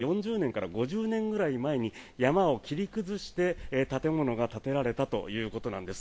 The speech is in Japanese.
ＶＴＲにもありましたが元々、この辺りは４０年から５０年ぐらい前に山を切り崩して建物が建てられたということなんです。